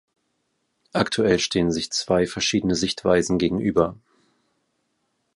Aktuell stehen sich zwei verschiedene Sichtweisen gegenüber.